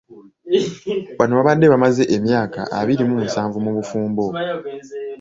Bano babadde bamaze emyaka abiri mu musanvu mu bufumbo.